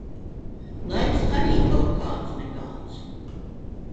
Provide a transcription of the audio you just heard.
Laiks arī kaut kāds nekāds.